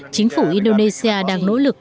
chính phủ indonesia đang nỗ lực